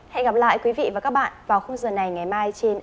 hẹn gặp lại quý vị và các bạn vào khuôn giờ này ngày mai trên antv